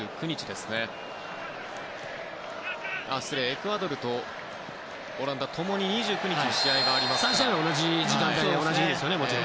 エクアドルとオランダ共に２９日試合があります。